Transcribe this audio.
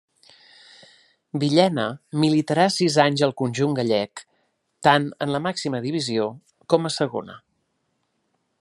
Villena militarà sis anys al conjunt gallec, tant en la màxima divisió com a Segona.